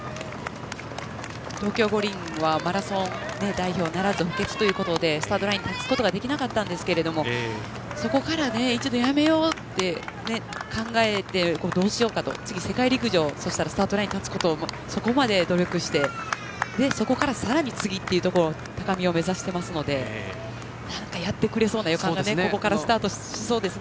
東京五輪はマラソン代表ならず補欠ということでスタートラインに立てませんでしたがそこから一度辞めようって考えてどうしようかと、次、世界陸上スタートラインに立つことを努力してそこから、さらに次の高みを目指していますのでなんかやってくれそうな予感がここからスタートしそうですね。